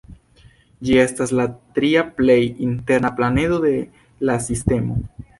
Ĝi estas la tria plej interna planedo de la sistemo.